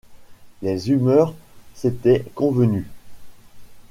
Leurs humeurs s’étaient convenues.